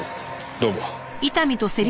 どうも。